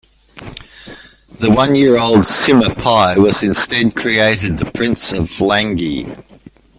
The one-year-old Sima Pi was instead created the Prince of Langye.